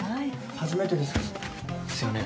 初めてですですよね？